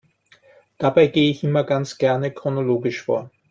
Dabei gehe ich immer ganz gerne chronologisch vor.